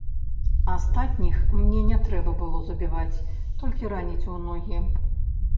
Астатніх мне не трэба было забіваць, толькі раніць ў ногі.